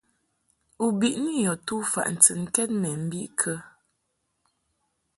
U biʼni yɔ tufaʼ ntɨnkɛd mɛ mbiʼ kə ?